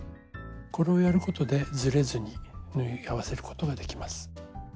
これをやることでずれずに縫い合わせることができます。